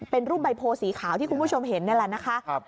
เป็นรูปใบโพสีขาวที่คุณผู้ชมเห็นนี่แหละนะคะ